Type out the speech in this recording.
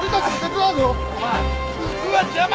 うわ邪魔！